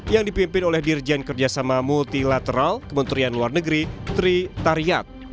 yang dipimpin oleh dirjen kerjasama multilateral kementerian luar negeri tri tariat